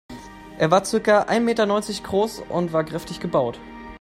Er war circa ein Meter neunzig groß und war kräftig gebaut.